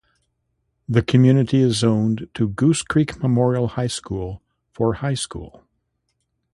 The community is zoned to Goose Creek Memorial High School for high school.